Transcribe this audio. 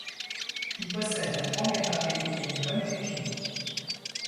Il possède un grand gabarit et une bonne technique.